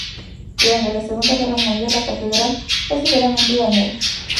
Durante la Segunda Guerra Mundial la catedral fue severamente dañada.